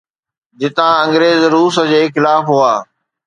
جتان انگريز روس جي خلاف هئا.